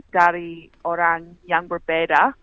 dari orang yang berbeda